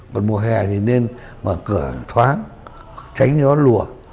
còn mùa hè thì nên mở cửa thoáng tránh cho nó lùa